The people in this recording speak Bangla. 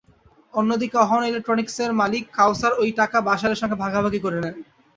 অন্যদিকে অহনা ইলেকট্রনিকসের মালিক কাউসার ওই টাকা বাশারের সঙ্গে ভাগাভাগি করে নেন।